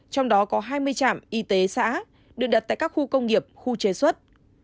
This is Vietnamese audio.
trong đó có hai mươi trạm y tế xã được đặt tại các khu công nghiệp khu chế xuất